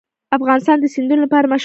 افغانستان د سیندونه لپاره مشهور دی.